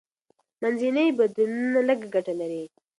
منځني بدلونونه لږه ګټه لري.